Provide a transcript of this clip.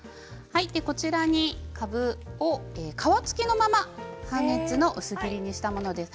こちらにかぶを皮付きのまま半月の薄切りにしたものです。